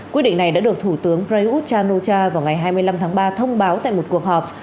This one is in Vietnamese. quyết định này đã được thủ tướng prayuth chan o cha vào ngày hai mươi năm tháng ba thông báo tại một cuộc họp